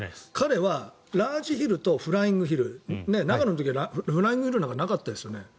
彼はラージヒルとフライングヒル長野の時はフライングヒルなんてなかったですよね？